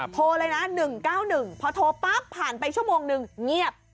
โทรเลยนะ๑๙๑พอโทรปั๊บผ่านไปชั่วโมงนึงเงียบ